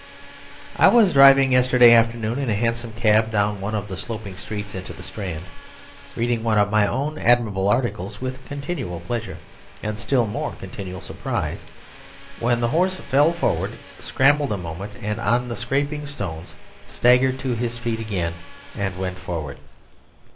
I was driving yesterday afternoon in a hansom cab down one of the sloping streets into the Strand, reading one of my own admirable articles with continual pleasure, and still more continual surprise, when the horse fell forward, scrambled a moment on the scraping stones, staggered to his feet again, and went forward.